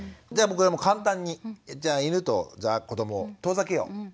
じゃあもう簡単にじゃあ犬と子どもを遠ざけよう。